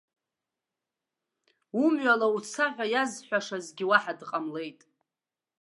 Умҩала уца ҳәа иазҳәашазгьы уаҳа дҟамлеит.